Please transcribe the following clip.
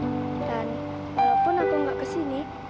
dan walaupun aku nggak ke sini